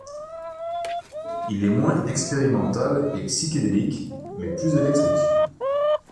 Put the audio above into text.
Il est moins expérimental et psychédélique, mais plus éclectique.